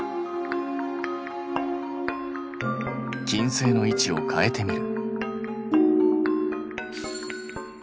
金星の位置を変えてみる。